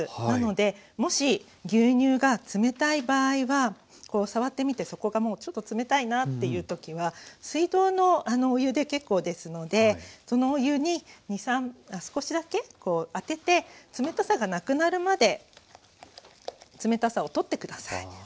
なのでもし牛乳が冷たい場合はこう触ってみて底がもうちょっと冷たいなっていう時は水道のお湯で結構ですのでそのお湯に少しだけ当てて冷たさがなくなるまで冷たさを取って下さい。